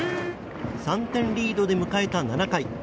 ３点リードで迎えた７回。